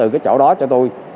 cái chỗ đó cho tôi